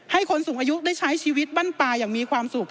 ให้คนสูงอายุได้ใช้ชีวิตบั้นปลาอย่างมีความสุข